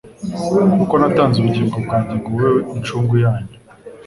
kuko natanze ubugingo bwanjye ngo bube inshungu yanyu.